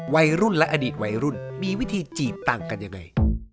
วัยรุ่นและอดีตวัยรุ่นมีวิธีจีบต่างกันยังไง